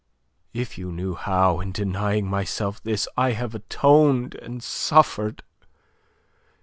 If you knew how in denying myself this I have atoned and suffered!